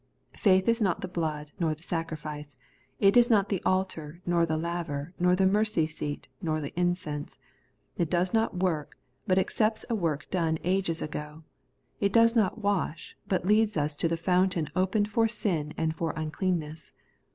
Faith is not the blood, nor the sacrifice ; it is not the altar, nor the laver, nor the mercy seat, nor the incense. It does not work, but accepts a work done ages ago ; it does not wash, but leads us to the fountain opened for sin and for uncleanness.